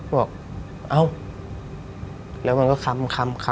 บอกเอ้าแล้วมันก็คำ